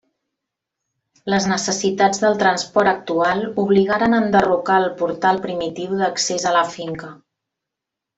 Les necessitats del transport actual obligaren a enderrocar el portal primitiu d'accés a la finca.